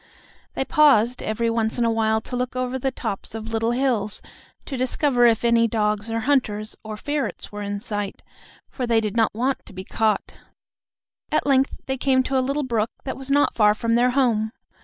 They paused every once in a while to look over the tops of little hills to discover if any dogs or hunters or ferrets were in sight, for they did not want to be caught. At length they came to a little brook that was not far from their home.